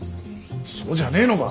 そうじゃねえのか。